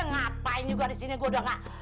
ngapain juga di sini gue udah gak